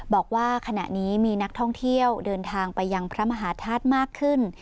บอกว่าขณะนี้มีนักท่องเที่ยวเดินทางไปยังพระมหาธาตุมากขึ้น